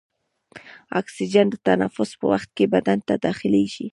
اکسیجن د تنفس په وخت کې بدن ته داخلیږي.